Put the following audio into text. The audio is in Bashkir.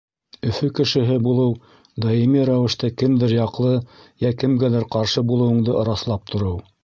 Өфө кешеһе булыу — даими рәүештә кемдер яҡлы йә кемгәлер ҡаршы булыуыңды раҫлап тороу.